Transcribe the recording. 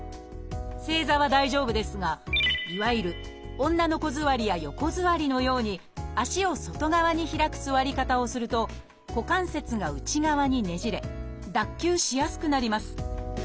正座は大丈夫ですがいわゆる女の子座りや横座りのように足を外側に開く座り方をすると股関節が内側にねじれ脱臼しやすくなります。